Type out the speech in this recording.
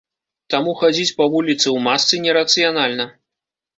Таму хадзіць па вуліцы ў масцы не рацыянальна.